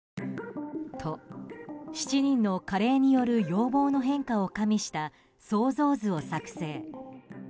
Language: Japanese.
と、７人の加齢による容貌の変化を加味した想像図を作成。